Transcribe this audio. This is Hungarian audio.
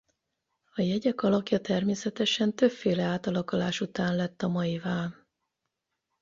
A jegyek alakja természetesen többféle átalakulás után lett a maivá.